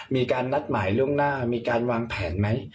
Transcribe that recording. มีการนัดหมายล่วงหน้ามีการวางแผนไหม